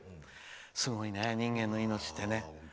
すごいね、人間の命ってね。